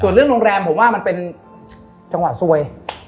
ส่วนเรื่องโรงแรมผมว่ามันเป็นจังหวะซวย